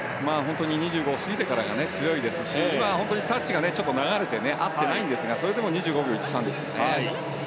２５を過ぎてからが強いですしタッチが流れて合ってないんですがそれでも２５秒１３ですよね。